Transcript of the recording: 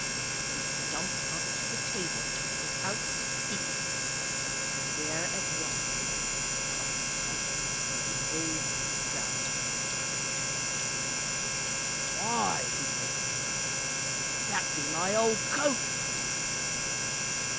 He stumped up to the table without speaking and there at once caught sight of the old brown coat. "Why," he said, "that be my old coat."